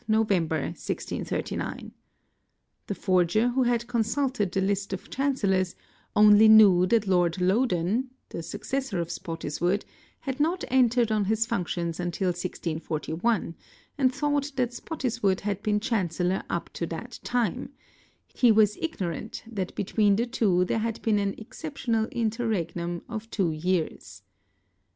November 1639. The forger, who had consulted the list of Chancellors, only knew that Lord Loudon, the successor of a Spottiswood, had not entered on his functions until 1641 and thought that Spottiswood had been Chancellor up to that time; he was ignorant _ that between the two there had been an exceptional interregnum of two ft years.